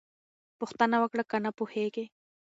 پوښتنه وکړه که نه پوهېږې.